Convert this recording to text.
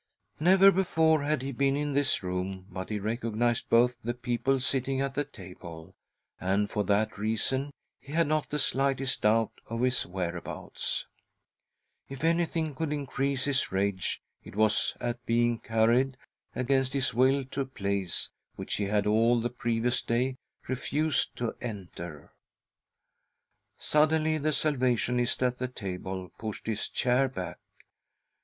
Never before had he been in this room, but he recognised both the people sitting at the table, and, for that reason, he had not the slightest doubt of his whereabouts. If anything could increase his rage, it was at being carried, against his will, to a place which he had, all the previous day, refused to enter. Suddenly the Salvationist at the table pushed his chair back.